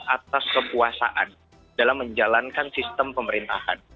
atas kekuasaan dalam menjalankan sistem pemerintahan